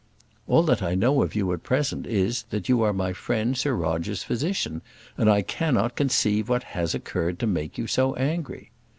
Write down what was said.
"All that I know of you at present is, that you are my friend Sir Roger's physician, and I cannot conceive what has occurred to make you so angry."